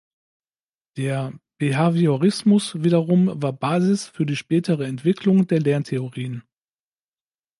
Der Behaviorismus wiederum war Basis für die spätere Entwicklung der Lerntheorien.